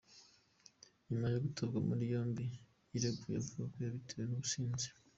Nyuma yo gutabwa muri yombi, yireguye avuga ko "yabitewe n’ubusinzi.